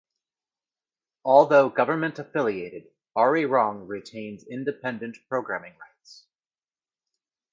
Although government-affiliated, Arirang retains independent-programming rights.